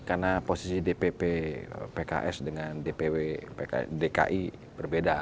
karena posisi dpp pks dengan dpw dki berbeda